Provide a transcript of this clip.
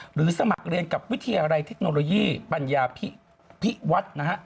สมัครเรียนกับวิทยาลัยเทคโนโลยีปัญญาพิวัฒน์นะฮะ